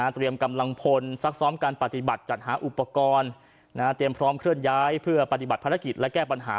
กำลังพลซักซ้อมการปฏิบัติจัดหาอุปกรณ์เตรียมพร้อมเคลื่อนย้ายเพื่อปฏิบัติภารกิจและแก้ปัญหา